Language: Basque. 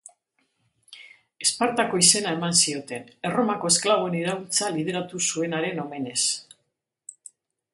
Espartako izena eman zioten, Erromako esklaboen iraultza lideratu zuenaren omenez.